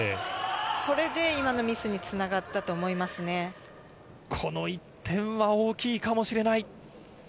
それで今のミスにつながったと思この一点は大きいかもしれない。